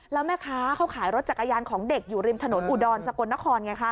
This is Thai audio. แล้วแม่ค้าเขาขายรถจักรยานของเด็กอยู่ริมถนนอุดรสกลนครไงคะ